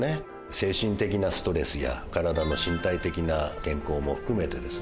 精神的なストレスや体の身体的な健康も含めてですね